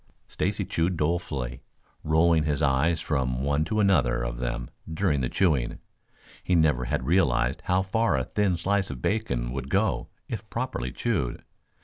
Stacy chewed dolefully, rolling his eyes from one to another of them during the chewing. He never had realized how far a thin slice of bacon would go if properly chewed.